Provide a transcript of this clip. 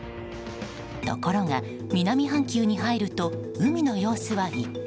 ところが、南半球に入ると海の様子は一変。